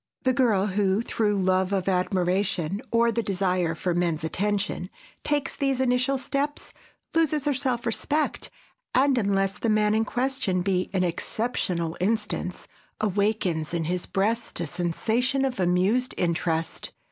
The girl who, through love of admiration, or the desire for men's attention, takes these initial steps, loses her self respect, and, unless the man in question be an exceptional instance, awakens in his breast a sensation of amused interest.